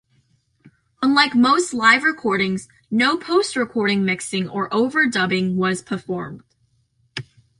Unlike most live recordings, no post-recording mixing or overdubbing was performed.